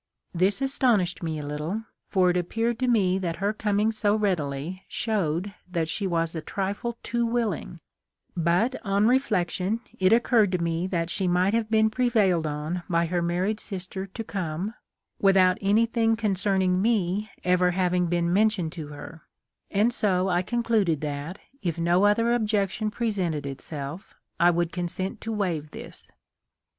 This astonished me a little; for it appeared to me that her coming so readily showed that she was a trifle too willing ; but, on reflection, it occurred to me that she might have been prevailed on by her mar ried sister to come, without anything concerning me ever having been mentioned to her ; and so I concluded that, if no other objection presented itself, I would consent to waive this.